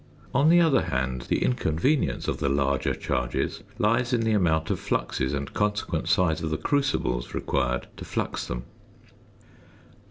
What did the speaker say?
On the other hand, the inconvenience of the larger charges lies in the amount of fluxes and consequent size of the crucibles required to flux them.